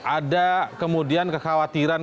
ada kemudian kekhawatiran